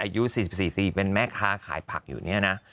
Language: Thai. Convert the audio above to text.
อายุ๔๔ปีเป็นแม่ค้าขายผักอยู่เนี่ยนะ